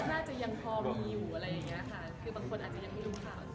น่าจะยังพอมีอยู่มีบางคนจะอยากให้รู้ครั้ง